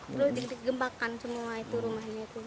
terus digembakkan semua itu rumahnya